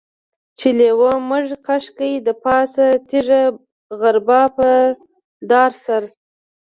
چې لېوه مږه کش کي دپاسه تيږه غربا په دا سر.